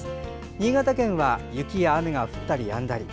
新潟県は雪や雨が降ったりやんだり。